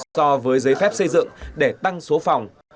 so với giấy phép xây dựng để tăng số phòng